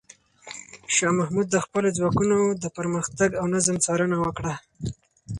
شاه محمود د خپلو ځواکونو د پرمختګ او نظم څارنه وکړه.